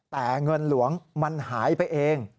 แต่เงินหลวงมันหายไปเอง